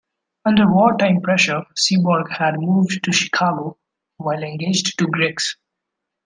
Under wartime pressure, Seaborg had moved to Chicago while engaged to Griggs.